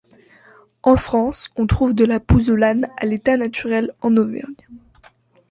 En France, on trouve de la pouzzolane à l’état naturel en Auvergne.